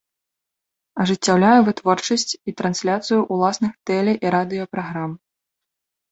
Ажыццяўляе вытворчасць і трансляцыю ўласных тэле- і радыёпраграм.